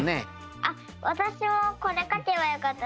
あっわたしもこれかけばよかった。